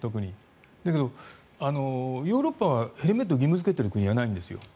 だけど、ヨーロッパはヘルメット義務付けている国はないんですよ。